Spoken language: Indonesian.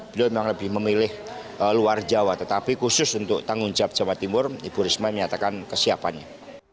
beliau memang lebih memilih luar jawa tetapi khusus untuk tanggung jawab jawa timur ibu risma menyatakan kesiapannya